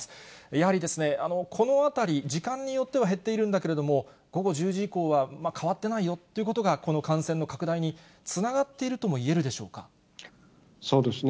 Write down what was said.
やはり、このあたり、時間によっては減っているんだけれども、午後１０時以降は変わってないよということが、この感染の拡大につながっているともいえるでしょそうですね、